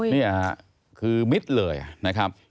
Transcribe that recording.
นี่ค่ะคือมิดเลยนะครับ